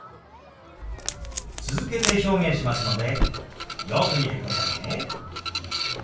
続けて表現しますのでよく見てくださいね。